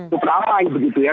cukup ramai begitu ya